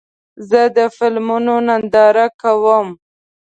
زه د فلمونو ننداره کوم.